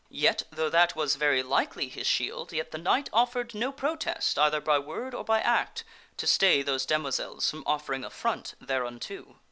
Yet, though that was very likely his shield, yet the knight offered no protest either by word or by act to stay those damoiselles from offering affront thereunto.